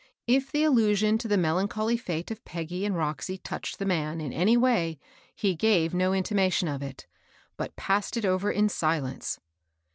If the allnsion to the melancholy fete of Peggy and Roxy touched the man, in any way, he gave no intimation of it, but passed it over in silence.